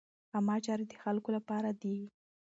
عامه چارې د خلکو له پاره دي.